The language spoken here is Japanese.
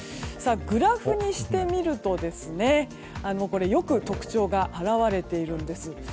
グラフにしてみるとよく特徴が表れているんです。